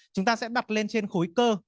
chúng ta sẽ đặt lên trên khối cơ